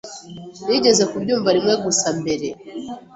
Nigeze kubyumva rimwe gusa mbere.